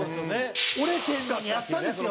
折れてるのにやったんですよ。